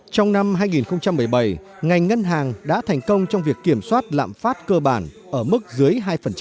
trong năm hai nghìn một mươi bảy ngành ngân hàng đã thành công trong việc kiểm soát lạm phát cơ bản ở mức dưới hai